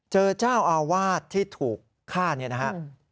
เจอจ้าวาวาทที่ถูกฆ่านี่นะฮะ